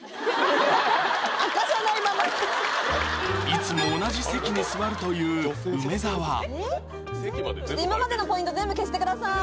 いつも同じ席に座るという梅沢今までのポイント全部消してください